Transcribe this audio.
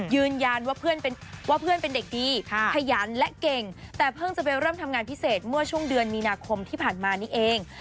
ยืนยันว่าเพื่อนว่าเพื่อนเป็นเด็กดีขยันและเก่งแต่เพิ่งจะไปเริ่มทำงานพิเศษเมื่อช่วงเดือนมีนาคมที่ผ่านมานี้เอง